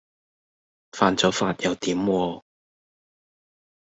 犯咗法又點喎